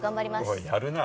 おいやるな。